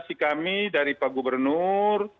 komunikasi kami dari pak gubernur